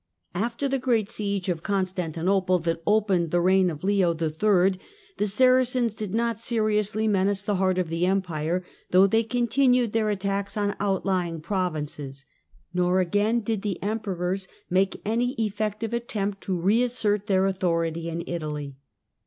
After the great siege of Constantinople that centlu> opened the reign of Leo III. the Saracens did not seriously menace the heart of the Empire, though they continued their attacks on the outlying provinces. Nor, again, did the emperors make any effective attempt to reassert their authority in Italy.